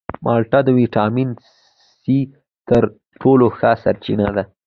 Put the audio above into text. مالټه د ویټامین سي تر ټولو ښه سرچینه ده.